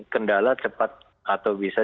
kendala cepat atau bisa